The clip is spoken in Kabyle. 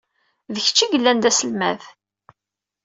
D kečč i yellan d aselmad.